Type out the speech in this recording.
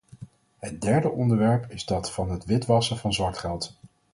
Het derde onderwerp is dat van het witwassen van zwart geld.